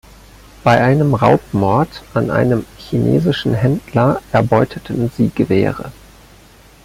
Bei einem Raubmord an einem chinesischen Händler erbeuteten sie Gewehre.